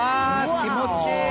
気持ちいい！